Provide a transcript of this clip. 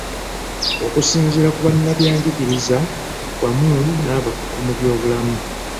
Okusinziira ku bannabyangigiriza wamu n’abakugu mu byobulamu.